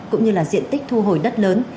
cũng như là diện tích thu hồi đất lớn